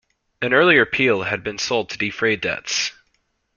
An earlier peal had been sold to defray debts.